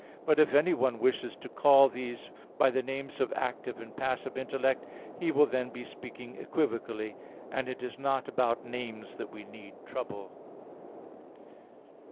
But if anyone wishes to call these by the names of active and passive intellect, he will then be speaking equivocally; and it is not about names that we need trouble.